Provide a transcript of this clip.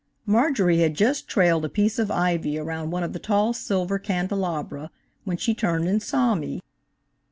Marjorie had just trailed a piece of ivy around one of the tall silver candelabra, when she turned and saw me.